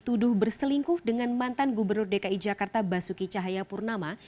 tuduh berselingkuh dengan mantan gubernur dki jakarta basuki cahayapurnama